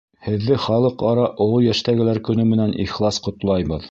Һеҙҙе Халыҡ-ара оло йәштәгеләр көнө менән ихлас ҡотлайбыҙ.